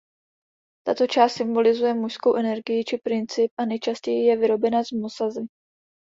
Tato část symbolizuje mužskou energii či princip a nejčastěji je vyrobena z mosazi.